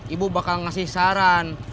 ibu bakal ngasih saran